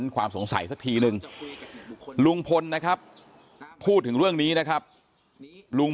ความสงสัยสักทีนึงลุงพลนะครับพูดถึงเรื่องนี้นะครับลุง